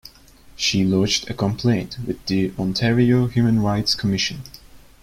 She lodged a complaint with the Ontario Human Rights Commission.